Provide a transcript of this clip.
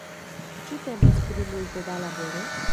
Ĉu temas pri multe da laboro?